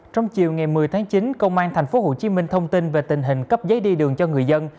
trong chiều ngày một mươi tháng chín công an tp hcm thông tin về tình hình cấp giấy đi đường cho người dân